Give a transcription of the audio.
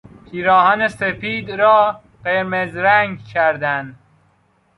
پیراهن سپید را قرمز رنگ کردن